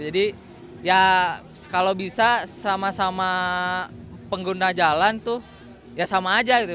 jadi ya kalau bisa sama sama pengguna jalan tuh ya sama aja gitu